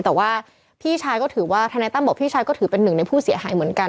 แต่ว่าพี่ชายก็ถือว่าทนายตั้มบอกพี่ชายก็ถือเป็นหนึ่งในผู้เสียหายเหมือนกัน